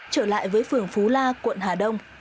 trở lại với phường phú la quận hà đông